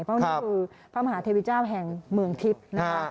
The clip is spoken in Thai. เพราะนี่คือพระมหาเทวีเจ้าแห่งเมืองทิพย์นะคะ